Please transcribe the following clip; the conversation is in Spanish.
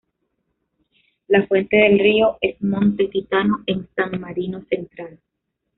La fuente del río es Monte Titano en San Marino central.